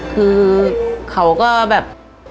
คือเขาก็แบบ